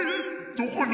どこに？